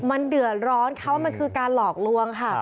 มันเดือดร้อนเขามันคือการหลอกลวงค่ะ